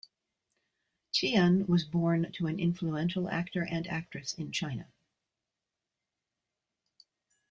Tian was born to an influential actor and actress in China.